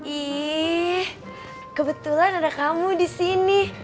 ih kebetulan ada kamu disini